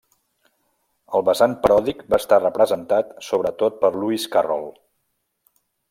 El vessant paròdic va estar representat sobretot per Lewis Carroll.